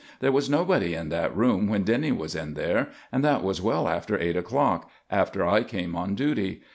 There was nobody in that room when Denny was in there, and that was well after eight o'clock, after I came on duty.